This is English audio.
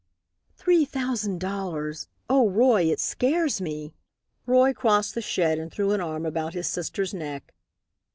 "Three thousand dollars oh, Roy, it scares me!" Roy crossed the shed and threw an arm about his sister's neck.